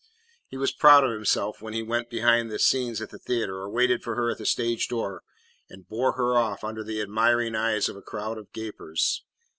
He was proud of himself when he went behind the scenes at the theatre or waited for her at the stage door and bore her off under the admiring eyes of a crowd of gapers.